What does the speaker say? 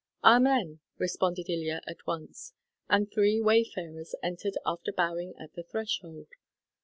"Amen," responded Ilya at once, and three wayfarers entered after bowing at the threshold.